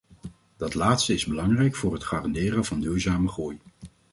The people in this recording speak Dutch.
Dat laatste is belangrijk voor het garanderen van duurzame groei.